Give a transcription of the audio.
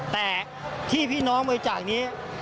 แต่ที่พี่น้องบริจาคนี้